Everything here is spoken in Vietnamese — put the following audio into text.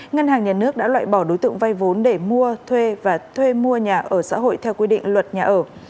ngân hàng nhà nước đã loại bỏ đối tượng vay vốn để mua thuê và thuê mua nhà ở xã hội theo quy định luật nhà ở